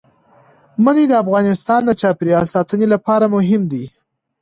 منی د افغانستان د چاپیریال ساتنې لپاره مهم دي.